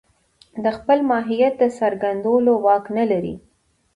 د خپل ماهيت د څرګندولو واک نه لري.